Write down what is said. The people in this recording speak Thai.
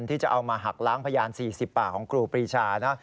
ที่จะเอามาหักล้างพยาน๔๐ปากของครูปรีชานะ